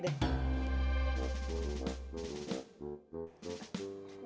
jalannya sendiri deh